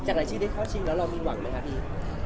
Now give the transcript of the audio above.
จากไหนที่ได้เข้าชิงแล้วเรามีหวังไหมครับพี่